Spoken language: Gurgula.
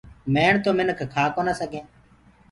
مڻ تو منک کآ ڪونآ سگھينٚ۔